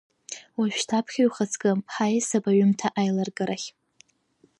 Уажәшьҭа аԥхьаҩ ухаҵкы, ҳаиасып аҩымҭа аилыргарахь.